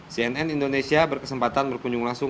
cnn indonesia berkesempatan berkunjung langsung